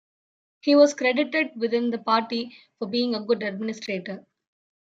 He was credited within the party for being a good administrator.